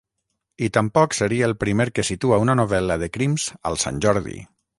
I tampoc seria el primer que situa una novel·la de crims al Santjordi.